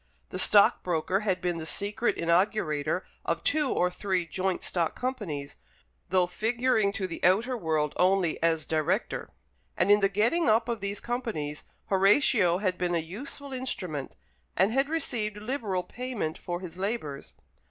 The stockbroker had been the secret inaugurator of two or three joint stock companies, though figuring to the outer world only as director; and in the getting up of these companies Horatio had been a useful instrument, and had received liberal payment for his labours.